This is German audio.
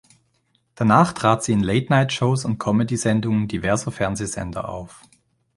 Danach trat sie in Late Night Shows und Comedy-Sendungen diverser Fernsehsender auf.